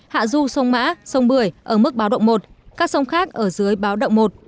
hạ du sông mã sông bưởi ở mức báo động một các sông khác ở dưới báo động một